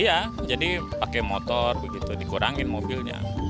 iya jadi pakai motor begitu dikurangin mobilnya